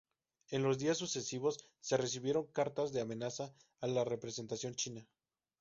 En los días sucesivos se recibieron cartas de amenaza a la representación china.